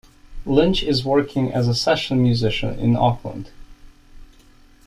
Lynch is working as a session musician in Auckland.